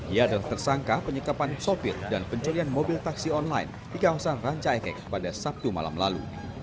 ia dan tersangka penyekapan sopir dan penculian mobil taksi online di kawasan rancaekek pada sabtu malam lalu